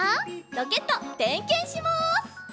ロケットてんけんします。